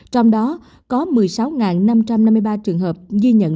trong đó có một mươi sáu năm trăm năm mươi ba trường hợp ghi nhận